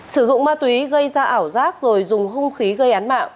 sử dụng ma túy gây ra ảo giác rồi dùng hung khí gây án mạng